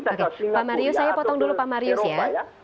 oke pak marius saya potong dulu pak marius ya